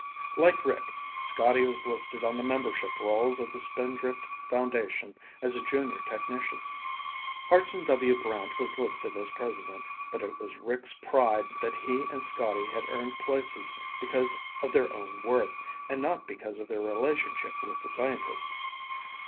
Like Rick, Scotty was listed on the membership rolls of the Spindrift Foundation as a junior technician. Hartson W. Brant was listed as president, but it was Rick's pride that he and Scotty had earned places because of their own worth, and not because of their relationship with the scientist.